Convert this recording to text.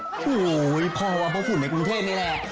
โอ้โฮพ่อว่าเพราะฝุ่นในกรุงเทพนี่แหละ